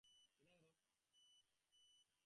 ওমা, কেমন মেয়ে গো!